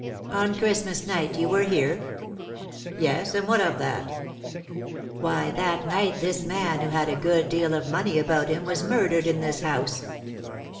"On Christmas night you were here?" "Yes; and what of that?" "Why, that night this man, who had a good deal of money about him, was murdered in this house."